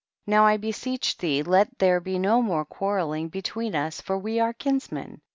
Now 1 beseech thee let there be no more quarrelling be tween us, for we are kinsmen.